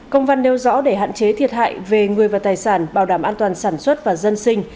công văn nêu rõ để hạn chế thiệt hại về người và tài sản bảo đảm an toàn sản xuất và dân sinh